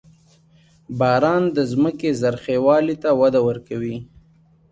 • باران د ځمکې زرخېوالي ته وده ورکوي.